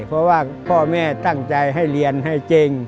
เพราะว่าพ่อแม่ตั้งใจให้เรียนให้เจ๊ง